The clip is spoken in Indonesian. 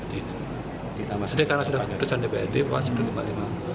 jadi karena sudah keputusan dprd bahwa rp satu ratus lima puluh lima miliar